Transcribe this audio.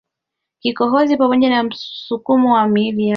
kikohozi pamoja na msukumo wa miili yao